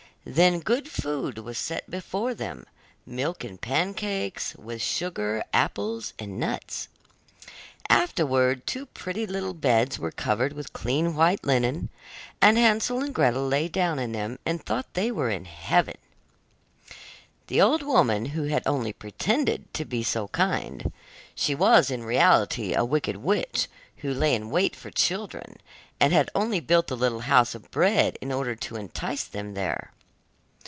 Then good food was set before them, milk and pancakes, with sugar, apples, and nuts. Afterwards two pretty little beds were covered with clean white linen, and Hansel and Gretel lay down in them, and thought they were in heaven. The old woman had only pretended to be so kind; she was in reality a wicked witch, who lay in wait for children, and had only built the little house of bread in order to entice them there.